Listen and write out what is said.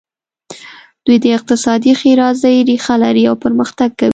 دوی د اقتصادي ښېرازۍ ریښه لري او پرمختګ کوي.